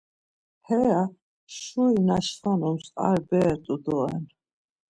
Heya, şuri na şvanums ar bere rt̆u doren.